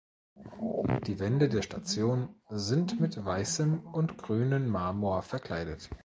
Die Wände der Station sind mit weißem und grünen Marmor verkleidet.